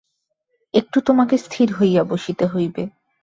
একটু তোমাকে স্থির হইয়া বসিতে হইবে।